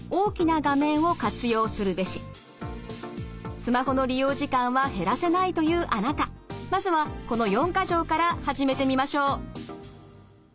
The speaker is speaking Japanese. スマホの利用時間は減らせないというあなたまずはこの四か条から始めてみましょう。